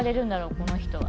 この人は。